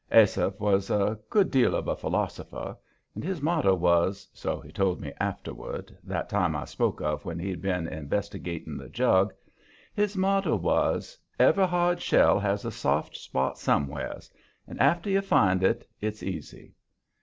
Asaph was a good deal of a philosopher, and his motto was so he told me afterward, that time I spoke of when he'd been investigating the jug his motto was: "Every hard shell has a soft spot somewheres, and after you find it, it's easy."